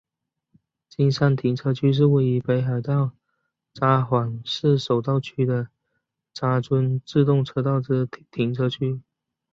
金山停车区是位于北海道札幌市手稻区的札樽自动车道之停车区。